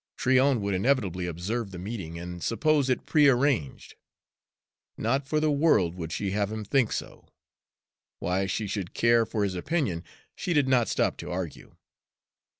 Tryon would inevitably observe the meeting, and suppose it prearranged. Not for the world would she have him think so why she should care for his opinion, she did not stop to argue.